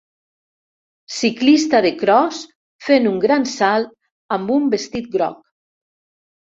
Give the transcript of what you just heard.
Ciclista de cros fent un gran salt amb un vestit groc.